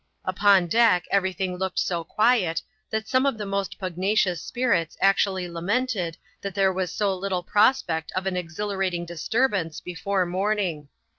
Upon deck every thing looked so quiet, that some of the most pugnacious spirits actually lamented that there was so little prospect of an exhilarating disturbance before morning.